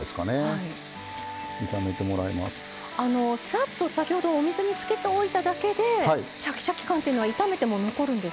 さっと先ほどお水につけておいただけでシャキシャキ感っていうのは炒めても残るんですか？